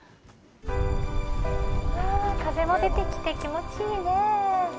風も出てきて気持ちいいねえ。